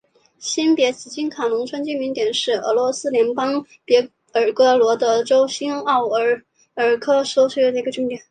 新别兹金卡农村居民点是俄罗斯联邦别尔哥罗德州新奥斯科尔区所属的一个农村居民点。